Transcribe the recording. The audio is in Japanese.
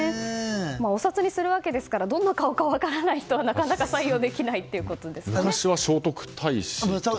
お札にするわけですからどんな顔か分からない人はなかなか採用できないということですね。